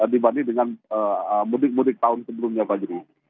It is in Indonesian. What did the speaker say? dibanding dengan mudik mudik tahun sebelumnya fajri